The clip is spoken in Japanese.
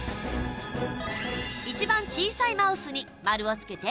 一番小さいマウスに丸をつけて。